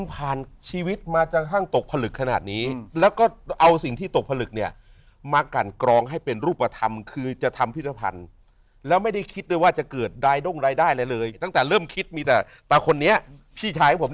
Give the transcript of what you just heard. คนผ่านชีวิตมาจากห้างตกผลึกขนาดนี้